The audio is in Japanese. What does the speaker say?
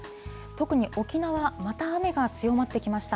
特に沖縄、また雨が強まってきました。